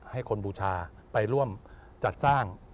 ให้คนบูชาไปร่วมจัดสร้าง